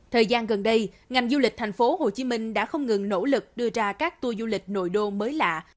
thời gian gần đây ngành du lịch thành phố hồ chí minh đã không ngừng nỗ lực đưa ra các tour du lịch nội đô mới lạ